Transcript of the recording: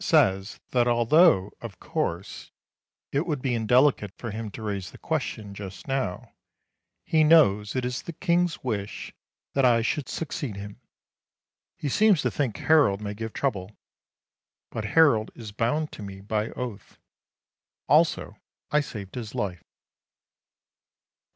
says that although, of course, it would be indelicate for him to raise the question just now, he knows it is the King's wish that I should succeed him. He seems to think Harold may give trouble. But Harold is bound to me by oath. Also I saved his life.